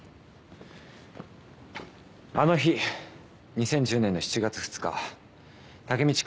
あの日２０１０年の７月２日タケミチ